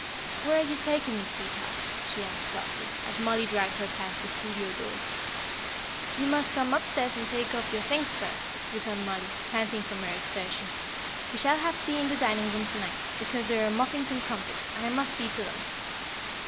"Where are you taking me, sweetheart?" she asked, softly, as Mollie dragged her past the studio door. "You must come upstairs and take off your things first," returned Mollie, panting from her exertions. "We shall have tea in the dining room to night, because there are muffins and crumpets, and I must see to them."